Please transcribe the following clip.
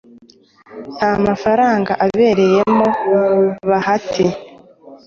nta mafaranga abereyemo bahati